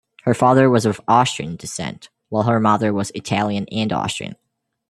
Her father was of Austrian descent, while her mother was Italian and Austrian.